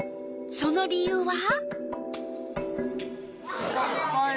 その理由は？